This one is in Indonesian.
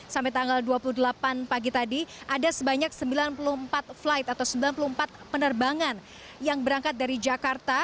sampai tanggal dua puluh delapan pagi tadi ada sebanyak sembilan puluh empat flight atau sembilan puluh empat penerbangan yang berangkat dari jakarta